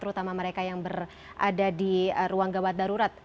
terutama mereka yang berada di ruang gawat darurat